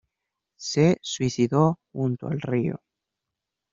Se suicidó junto al río.